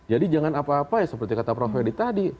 jadi jangan apa apa ya seperti kata prof fedy tadi